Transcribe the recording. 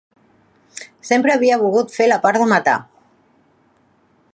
Sempre havia volgut fer la part de matar.